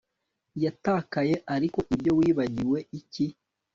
yatakaye ariko ibyo wibagiwe iki